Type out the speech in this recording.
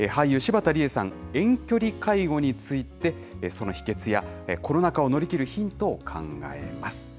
俳優、柴田理恵さん、遠距離介護について、その秘訣やコロナ禍を乗り切るヒントを考えます。